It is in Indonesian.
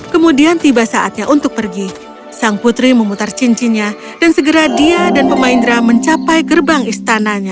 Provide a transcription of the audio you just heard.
kemudian tiba saatnya untuk pergi sang putri memutar cincinnya dan segera dia dan pemain drum mencapai gerbang istananya